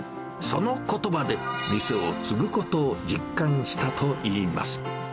そのことばで、店を継ぐことを実感したといいます。